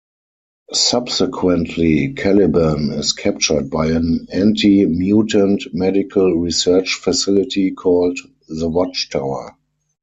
Subsequently, Caliban is captured by an anti-mutant medical research facility called the Watchtower.